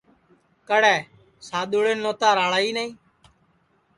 کڑے سادؔوݪین نوتا راݪا ہی نائی